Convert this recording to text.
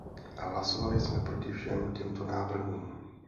Hlasovali jsme proti všem těmto návrhům.